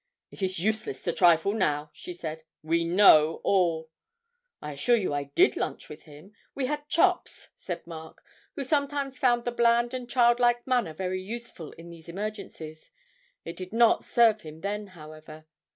'It is useless to trifle now,' she said; 'we know all.' 'I assure you I did lunch with him; we had chops,' said Mark, who sometimes found the bland and childlike manner very useful in these emergencies. It did not serve him then, however.